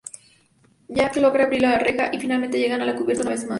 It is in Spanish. Jack logra abrir la reja y finalmente llegan a la cubierta una vez más.